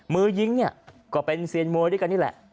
มือยิงเนี่ยก็เป็นเซียนมวยด้วยกันนี่แหละ